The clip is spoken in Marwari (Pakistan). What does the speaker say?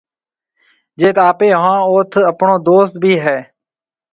جيٿ آپيَ هون اوٿ آپڻو دوست ڀِي هيَ۔